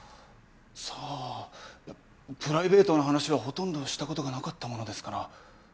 さあプライベートな話はほとんどした事がなかったものですから。